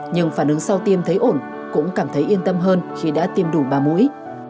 nhưng phản ứng sau tiêm thấy ổn cũng cảm thấy yên tâm hơn khi đã tiêm đủ ba mũi